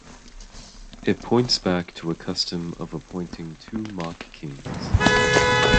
It points back to a custom of appointing two mock kings.